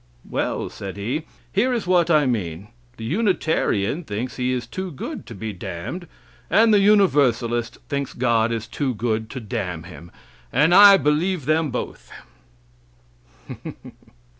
"Well," said he, "here is what I mean: the Unitarian thinks he is too good to be damned, and the Universalist thinks God is too good to damn him, and I believe them both."